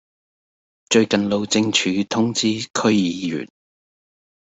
最近路政署通知區議員